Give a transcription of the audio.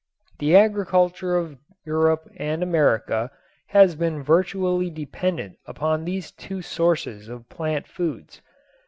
The agriculture of Europe and America has been virtually dependent upon these two sources of plant foods.